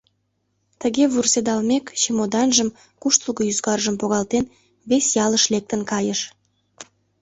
Тыге вурседалмек, чемоданжым, куштылго ӱзгаржым погалтен, вес ялыш лектын кайыш.